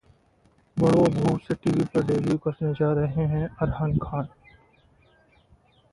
'बढ़ो बहू' से टीवी पर डेब्यू करने जा रहे हैं अरहान खान